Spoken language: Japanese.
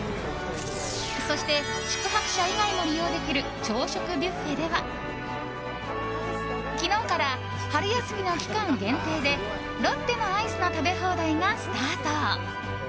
そして宿泊者以外でも利用できる朝食ビュッフェでは昨日から春休みの期間限定でロッテのアイスの食べ放題がスタート。